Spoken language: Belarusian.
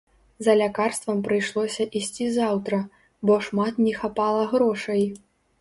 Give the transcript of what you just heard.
За лякарствам прыйшлося ісці заўтра, бо шмат не хапала грошай.